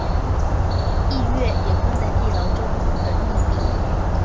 逸悦也困在地牢中而溺毙。